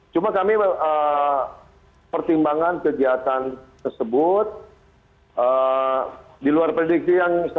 cuma kami pertimbangan kegiatan tersebut di luar prediksi yang sampai banyak ribuan itu mbak